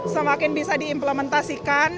semakin bisa diimplementasikan